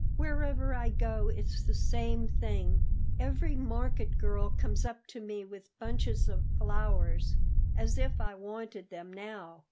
Wherever I go it's the same thing; every market girl comes up to me with bunches of flowers as if I wanted them now!